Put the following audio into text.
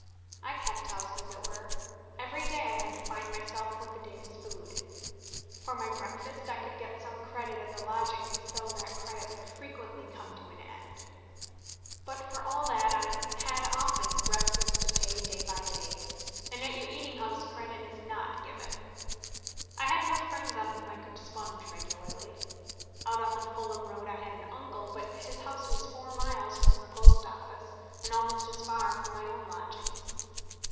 I kept house, as it were. Every day I had to find myself with the day's food. For my breakfast I could get some credit at the lodgings, though that credit would frequently come to an end. But for all that I had often breakfast to pay day by day; and at your eating house credit is not given. I had no friends on whom I could sponge regularly. Out on the Fulham Road I had an uncle, but his house was four miles from the Post Office, and almost as far from my own lodgings.